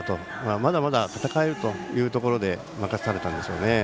まだまだ戦えるというところで任されたんでしょうね。